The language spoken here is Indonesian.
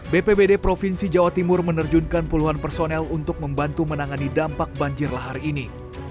bpbd provinsi jawa timur menerjunkan puluhan personel untuk membantu menangani dampak banjir lahar ini